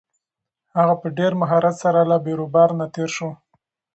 هغه په ډېر مهارت سره له بېروبار نه تېر شو.